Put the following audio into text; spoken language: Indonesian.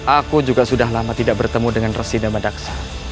aku juga sudah lama tidak bertemu dengan resi damadaksa